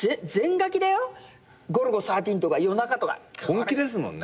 本気ですもんね。